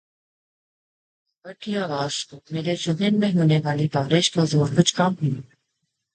driver کی آواز سے میرے ذہن میں ہونے والی بار ش کا زور کچھ کم ہوا